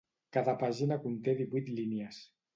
Cada pàgina conté divuit línies.